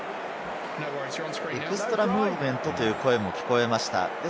エクストラムーブメントという声も聞こえました。